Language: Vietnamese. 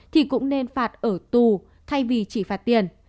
thì cũng nên phạt ở tù thay vì chỉ phạt tiền